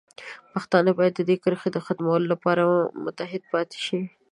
پښتانه باید د دې کرښې د ختمولو لپاره متحد پاتې شي.